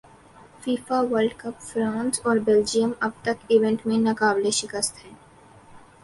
FIFA world cup France اور Belgium اب تک ایونٹ میں ناقابل شکست ہیں